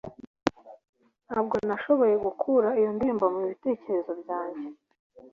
ntabwo nashoboye gukura iyo ndirimbo mubitekerezo byanjye